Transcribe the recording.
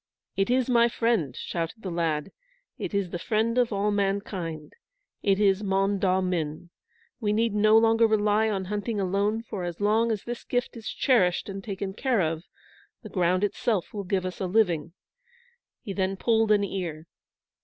"It is my friend," shouted the lad; "it is the friend of all mankind. It is Mondawmin. We need no longer rely on hunting alone; for, as long as this gift is cherished and taken care of, the ground itself will give us a living." He then pulled an ear.